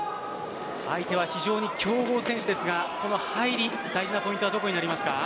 相手は非常に強豪選手ですがこの入り、大事なポイントはどこになりますか。